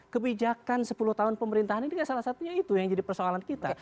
kebijakan sepuluh tahun pemerintahan ini salah satunya itu yang jadi persoalan kita